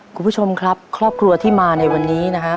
คุณผู้ชมครับครอบครัวที่มาในวันนี้นะฮะ